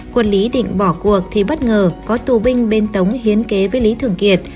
quân lý định bỏ cuộc thì bất ngờ có tù binh bên tống hiến kế với lý thường kiệt